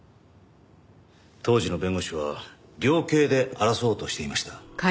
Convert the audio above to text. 当時の弁護士は量刑で争おうとしていました。